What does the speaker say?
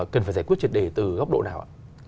cần phải giải quyết triệt đề từ góc độ nào ạ